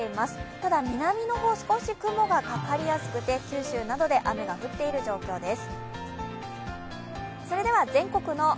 ただ南の方、少し雲がかかりやすくて九州などで雨が降っている状況です。